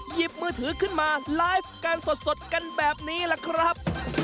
หยิบมือถือขึ้นมาไลฟ์กันสดกันแบบนี้ล่ะครับ